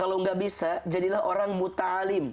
kalau tidak bisa jadilah orang mutaalim